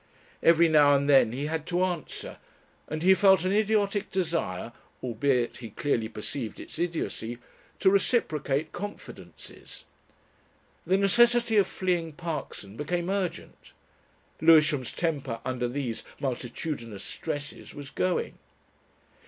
Every now and then he had to answer, and he felt an idiotic desire albeit he clearly perceived its idiocy to reciprocate confidences. The necessity of fleeing Parkson became urgent Lewisham's temper under these multitudinous stresses was going.